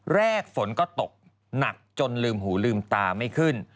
แรกฝนก็ตกหนักจนลืมหูลืมตาไม่ขึ้น